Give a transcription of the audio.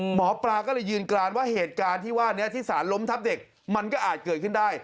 หมอปลาก็เลยยืนกรานว่าเหตุการณ์ที่ว่านี้ที่สารล้มทับเด็กมันก็อาจเกิดขึ้นได้